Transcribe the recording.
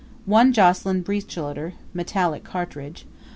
1 Jocelyn breech loader (metallic cartridge).